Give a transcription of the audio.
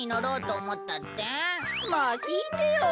まあ聞いてよ。